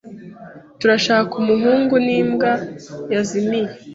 Turashaka umuhungu n'imbwa yazimiye.